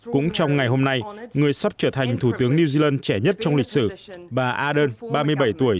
cũng trong ngày hôm nay người sắp trở thành thủ tướng new zealand trẻ nhất trong lịch sử bà ardern ba mươi bảy tuổi